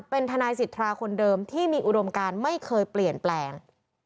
เป็นทนายสิทธาคนเดิมที่มีอุดมการไม่เคยเปลี่ยนแปลง